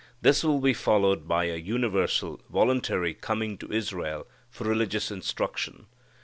This will be followed by a universal, voluntary coming to Israel for religious instruction.